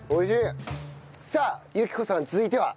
さあ雪子さん続いては？